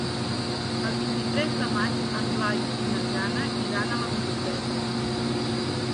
El vint-i-tres de maig en Blai i na Jana iran a la biblioteca.